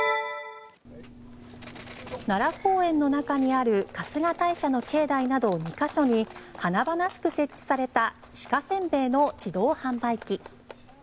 奈良公園の中にある春日大社の境内など２か所に華々しく設置された鹿せんべいの自動販売機。